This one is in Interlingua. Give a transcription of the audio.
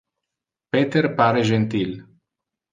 Peter pare gentil.